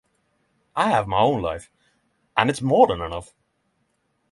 I have my own life and it's more than enough.